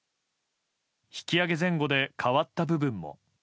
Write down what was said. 引き揚げ前後で変わった部分も。